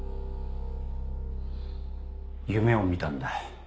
夢を見たんだ。